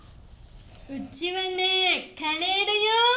うちはカレーだよ。